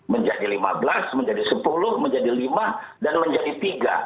menjadi lima belas menjadi sepuluh menjadi lima dan menjadi tiga